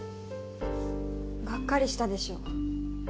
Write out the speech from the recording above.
がっかりしたでしょ。